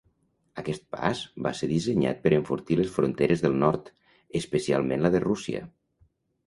Aquest pas va ser dissenyat per enfortir les fronteres del nord, especialment la de Rússia.